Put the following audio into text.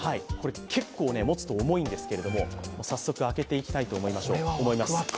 結構、持つと重いんですけれども早速、開けていきたいと思います。